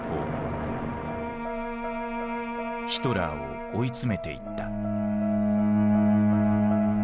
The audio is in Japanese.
ヒトラーを追い詰めていった。